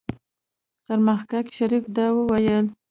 سرمحقق شريف دا وويل.